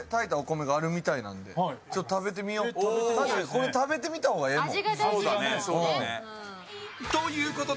これ、食べてみた方がいいもん。